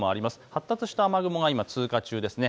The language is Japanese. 発達した雨雲が今通過中ですね。